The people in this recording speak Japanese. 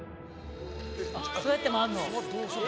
あっそうやって回んの？